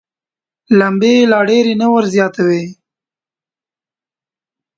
لمبې یې لا ډېرې نه وزياتوي.